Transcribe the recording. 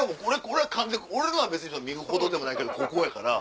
俺のは別に見るほどでもないここやから。